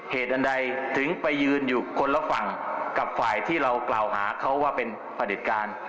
เหตุอันใดถึงไปยืนอยู่คนละฝั่งกับฝ่ายที่เรากล่าวหาเขาว่าเป็นประเด็จการ